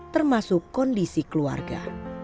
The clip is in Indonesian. termasuk kondisi keluarga